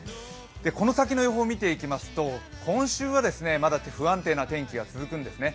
この先の予報を見ていきますと今週はまだ不安定な天気が続くんですね。